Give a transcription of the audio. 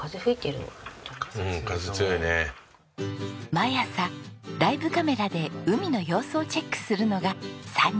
毎朝ライブカメラで海の様子をチェックするのが３人の日課です。